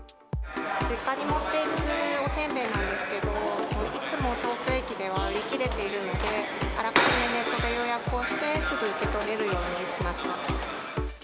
実家に持っていくおせんべいなんですけど、いつも東京駅では売り切れているので、あらかじめネットで予約をして、すぐ受け取れるようにしました。